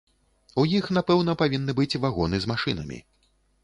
У іх напэўна павінны быць вагоны з машынамі.